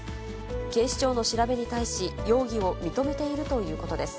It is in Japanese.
警視庁の調べに対し、容疑を認めているということです。